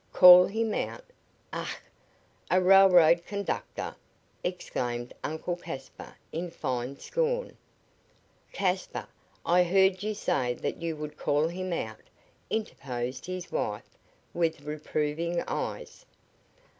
"Call him out? Ach, a railroad conductor!" exclaimed Uncle Caspar, in fine scorn. "Caspar, I heard you say that you would call him out," interposed his wife, with reproving eyes.